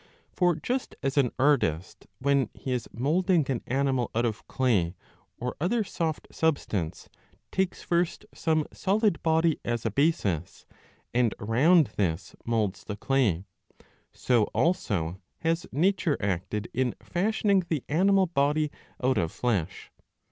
For just as an artist, when he is moulding an animal out of clay or other soft substance, takes first some solid body as a basis, and round this moulds the clay ; so also has nature acted in fashioning the animal body out of flesh.